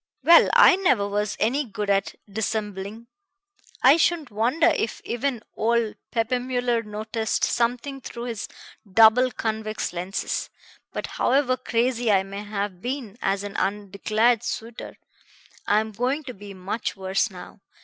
Well, I never was any good at dissembling. I shouldn't wonder if even old Peppmüller noticed something through his double convex lenses. But however crazy I may have been as an undeclared suitor, I am going to be much worse now.